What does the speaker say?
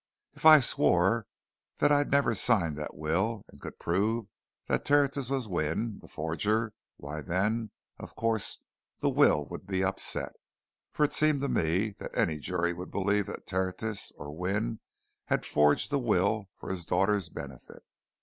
If I swore that I'd never signed that will, and could prove that Tertius was Wynne, the forger, why then, of course, the will would be upset, for it seemed to me that any jury would believe that Tertius, or Wynne, had forged the will for his daughter's benefit.